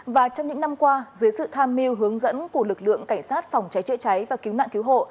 và trong những năm qua dưới sự tham mưu hướng dẫn của lực lượng cảnh sát phòng cháy chữa cháy và cứu nạn cứu hộ